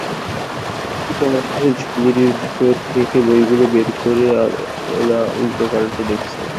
ইতিমধ্যে ঝুলির ভিতর থেকে বইগুলো বের করে এলা উলটেপালটে দেখছে।